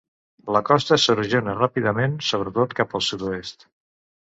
La costa s'erosiona ràpidament sobretot cap al sud-oest.